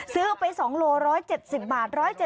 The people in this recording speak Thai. ซื้อไป๒โล๑๗๐บาท